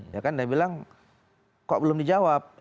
ya kan dia bilang kok belum dijawab